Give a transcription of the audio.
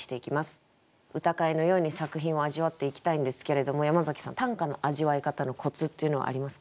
歌会のように作品を味わっていきたいんですけれども山崎さん短歌の味わい方のコツっていうのはありますか？